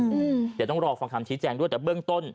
เดี๋ยวต้องรอฟังคำชี้แจงด้วยแต่เบื้องต้น